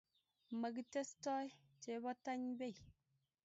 Makitestoi chepotany bei.